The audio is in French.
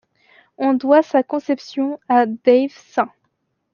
On doit sa conception à Dave Saint.